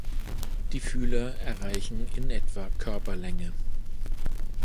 Die Fühler erreichen in etwa Körperlänge.